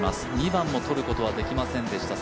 ２番も取ることはできませんでした